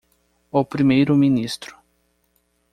O primeiro ministro.